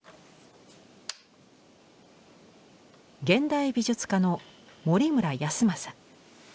現代美術家の森村泰昌。